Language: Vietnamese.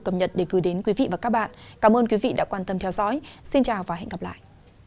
cảm ơn các bạn đã theo dõi xin chào và hẹn gặp lại